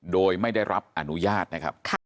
โดยไม่ได้รับอนุญาตนะครับ